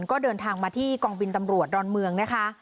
ก็เดินทางมาที่กองบินตำรวจดอนเมืองนะคะ